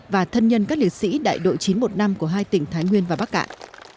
và thân nhân các liệt sĩ đại đội chín trăm một mươi năm của hai tỉnh thái nguyên và bắc cạn